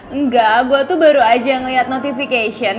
enggak gue tuh baru aja ngeliat notification